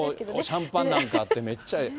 シャンパンなんかあって、めっちゃええ。